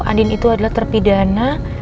andin itu adalah terpidana